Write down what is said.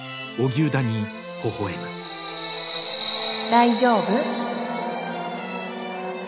大丈夫？